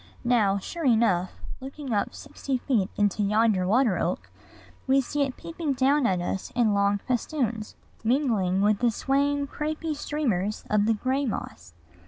Now, sure enough, looking up full sixty feet into yonder water oak, we see it peeping down at us in long festoons, mingling with the swaying, crapy streamers of the gray moss.